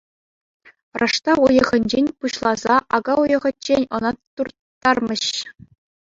Раштав уйӑхӗнчен пуҫласа ака уйӑхӗччен ӑна турттармӗҫ.